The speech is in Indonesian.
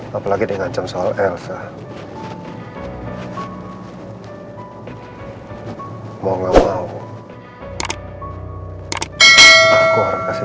tapi ini tak akan berhasil